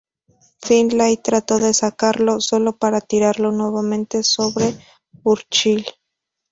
Finlay trató de sacarlo, sólo para tirarlo nuevamente sobre Burchill.